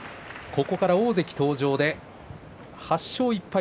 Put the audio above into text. ここから大関登場８勝１敗